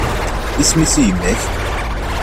Isem-is i yemma-k?